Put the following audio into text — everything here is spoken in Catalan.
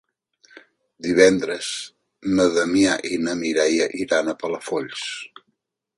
Divendres na Damià i na Mireia iran a Palafolls.